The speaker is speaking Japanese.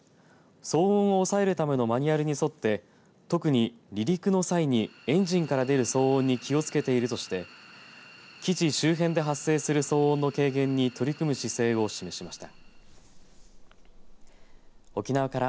騒音を抑えるためのマニュアルに沿って特に、離陸の際にエンジンから出る騒音に気をつけているとして基地周辺で発生する騒音の軽減に取り組む姿勢を示しました。